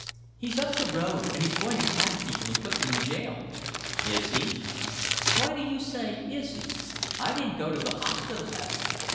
"He's up the road and he's going to catch people and put them in jail." "Is he?" "Why do you say 'Is he?' I didn't go to the hospital last night.